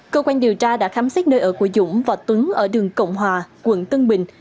cơ quan điều tra đã khám xét nơi ở của dũng và tuấn ở đường cộng hòa quận tân bình